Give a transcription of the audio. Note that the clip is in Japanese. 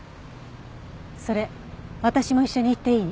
それ私も一緒に行っていい？